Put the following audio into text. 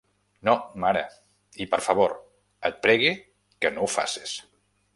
No, mare. I, per favor, et pregue que no ho faces.